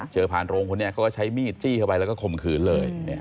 ผ่านโรงคนนี้เขาก็ใช้มีดจี้เข้าไปแล้วก็ข่มขืนเลย